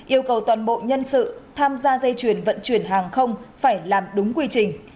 yêu cầu toàn bộ nhân sự tham gia dây chuyền vận chuyển hàng không phải làm đúng quy trình